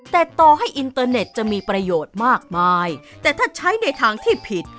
แต่ต่อให้อินเตอร์เน็ตจะมีประโยชน์มากมายแต่ถ้าใช้ในทางที่ผิด